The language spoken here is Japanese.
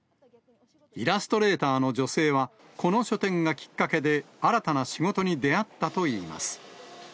イラストレーターの女性は、この書店がきっかけで新たな仕事に出会ったといいます。